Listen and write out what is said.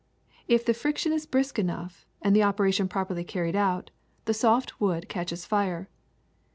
If the friction is brisk enough and the operation properly carried out, the soft wood catches fire.